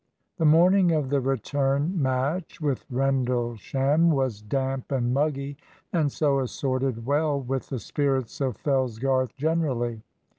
The morning of the return match with Rendlesham was damp and muggy, and so assorted well with the spirits of Fellsgarth generally.